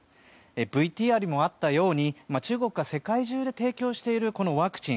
ＶＴＲにもあったように中国が世界中で提供しているワクチン。